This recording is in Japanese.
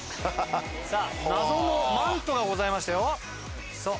さぁ謎のマントがございましたよ。